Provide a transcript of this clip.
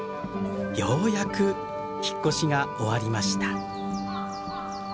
ようやく引っ越しが終わりました。